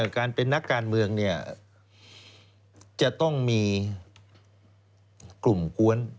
การเป็นนักการเมืองจะต้องมีกลุ่มกวน